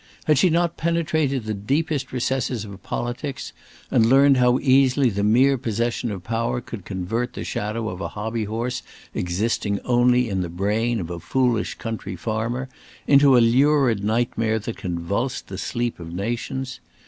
Had she not penetrated the deepest recesses of politics, and learned how easily the mere possession of power could convert the shadow of a hobby horse existing only in the brain of a foolish country farmer, into a lurid nightmare that convulsed the sleep of nations?